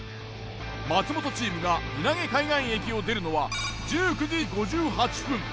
松本チームが稲毛海岸駅を出るのは１９時５８分。